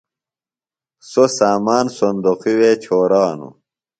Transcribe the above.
سوۡ سامان صُندوقیۡ وے چھورانوۡ۔